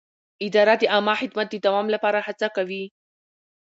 اداره د عامه خدمت د دوام لپاره هڅه کوي.